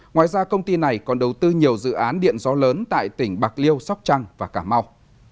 ngoài ra công ty này còn đầu tư nhiều dự án điện gió lớn tại tỉnh bạc liêu sóc trăng và cà mau